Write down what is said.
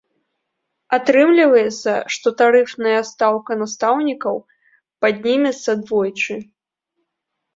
Атрымліваецца, што тарыфная стаўка настаўнікаў паднімецца двойчы.